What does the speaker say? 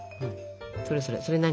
それそれそれ何？